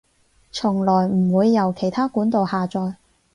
從來唔會由其它管道下載